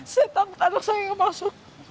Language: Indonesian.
saya tangkap anak saya yang masuk